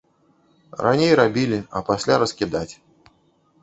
Раней рабілі, а пасля раскідаць.